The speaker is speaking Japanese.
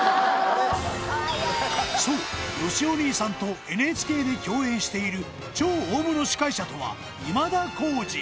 そうよしお兄さんとＮＨＫで共演している超大物司会者とは今田耕司